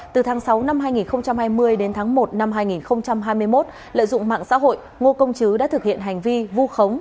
từ tháng sáu năm hai nghìn hai mươi đến tháng một năm hai nghìn hai mươi một lợi dụng mạng xã hội ngô công chứ đã thực hiện hành vi vu khống